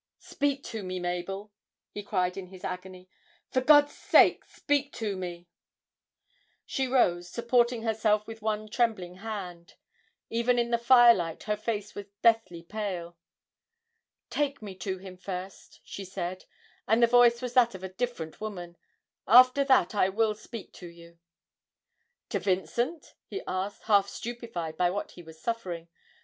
'Speak to me, Mabel,' he cried in his agony, 'for God's sake, speak to me!' She rose, supporting herself with one trembling hand; even in the firelight her face was deathly pale. 'Take me to him first,' she said, and the voice was that of a different woman, 'after that I will speak to you.' 'To Vincent?' he asked, half stupefied by what he was suffering.